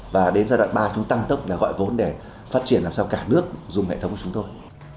và đến giai đoạn ba chúng tăng tốc là gọi vốn để phát triển làm sao cả nước dùng hệ thống của chúng tôi